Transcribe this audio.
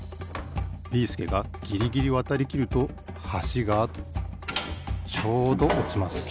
ビーすけがギリギリわたりきるとはしがちょうどおちます。